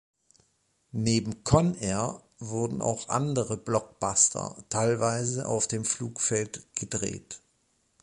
Neben "Con Air" wurden auch andere Blockbuster teilweise auf dem Flugfeld gedreht.